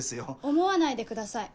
思わないでください。